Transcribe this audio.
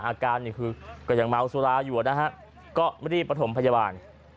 อาการนี่คือก็ยังเมาสุราอยู่นะฮะก็รีบประถมพยาบาล